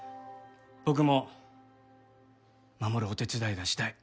僕も守るお手伝いがしたい。